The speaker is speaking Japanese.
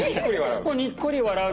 にっこり笑う？